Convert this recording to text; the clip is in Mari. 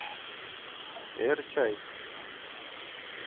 — Эр чай?